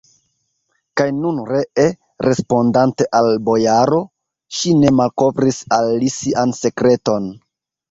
Kaj nun ree, respondante al la bojaro, ŝi ne malkovris al li sian sekreton.